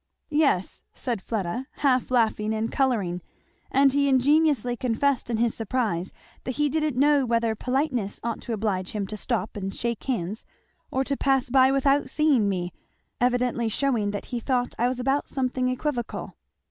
"Yes," said Fleda half laughing and colouring, "and he ingenuously confessed in his surprise that he didn't know whether politeness ought to oblige him to stop and shake hands or to pass by without seeing me; evidently shewing that he thought I was about something equivocal."